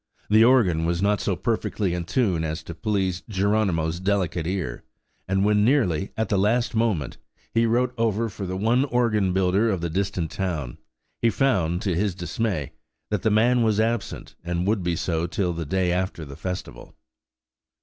The organ was not so perfectly in tune as to please Geronimo's delicate ear; and when, nearly at the last moment, he wrote over for the one organ builder of the distant town, he found, to his dismay, that the man was absent, and would be so till the day after the festival.